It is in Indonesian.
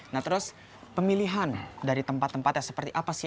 nah terus pemilihan dari tempat tempatnya seperti apa sih